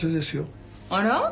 あら？